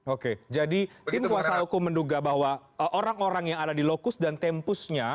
oke jadi tim kuasa hukum menduga bahwa orang orang yang ada di lokus dan tempusnya